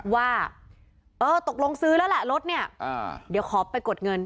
ว่าเออตกลงซื้อแล้วแหละรถเนี่ยเดี๋ยวขอไปกดเงิน